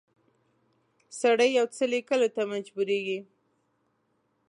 سړی یو څه لیکلو ته مجبوریږي.